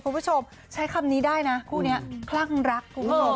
คุณผู้ชมใช้คำนี้ได้นะคู่นี้คลั่งรักคุณผู้ชม